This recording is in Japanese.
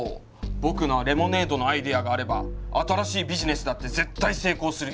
僕のレモネードのアイデアがあれば新しいビジネスだって絶対成功するよ。